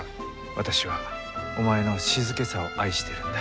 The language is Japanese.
私はお前の静けさを愛してるんだ。